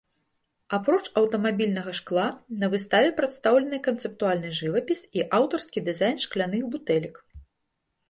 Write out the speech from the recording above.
Апроч аўтамабільнага шкла, на выставе прадстаўлены канцэптуальны жывапіс і аўтарскі дызайн шкляных бутэлек.